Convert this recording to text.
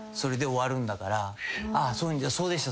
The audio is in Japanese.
そうでした。